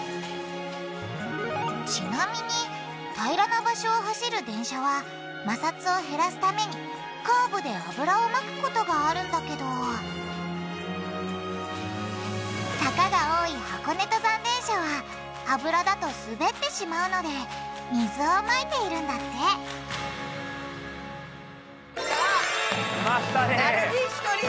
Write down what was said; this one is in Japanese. ちなみに平らな場所を走る電車はまさつを減らすためにカーブで油をまくことがあるんだけど坂が多い箱根登山電車は油だと滑ってしまうので水をまいているんだってきた！